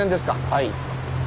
はい。